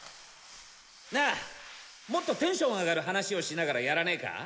なあもっとテンション上がる話をしながらやらねか？